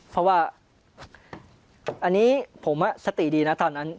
เพราะว่าอันนี้ผมสติดีนะตอนนั้น